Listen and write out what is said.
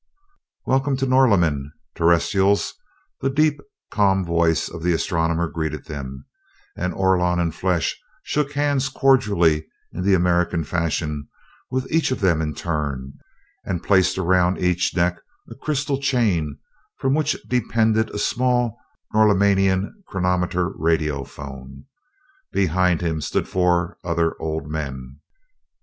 "Welcome to Norlamin, Terrestrials," the deep, calm voice of the astronomer greeted them, and Orlon in the flesh shook hands cordially in the American fashion with each of them in turn, and placed around each neck a crystal chain from which depended a small Norlaminian chronometer radiophone. Behind him there stood four other old men.